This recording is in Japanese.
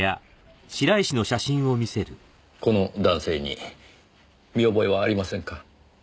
この男性に見覚えはありませんか？